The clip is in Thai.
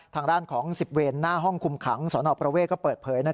ทางด้านของ๑๐เวรหน้าห้องคุมขังสนประเวทก็เปิดเผย